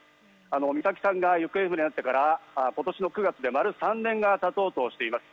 美咲さんが行方不明になってから今年の９月で丸３年が経とうとしています。